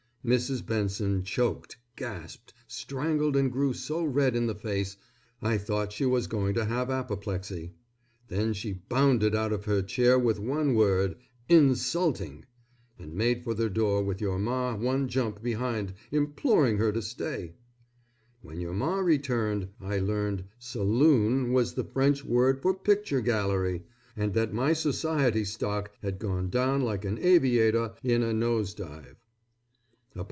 Mrs. Benson choked, gasped, strangled, and grew so red in the face I thought she was going to have apoplexy. Then she bounded out of her chair with one word, "insulting," and made for the door with your Ma one jump behind, imploring her to stay. When your Ma returned, I learned saloon was the French word for picture gallery, and that my society stock had gone down like an aviator in a nose dive.